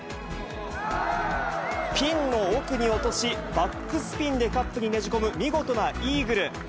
ピンの奥に落とし、バックスピンでカップにねじ込む見事なイーグル。